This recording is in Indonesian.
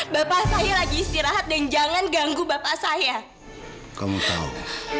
bapaknya aida itu yang mendekati dina duluan